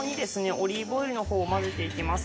オリーブオイルのほう混ぜて行きます。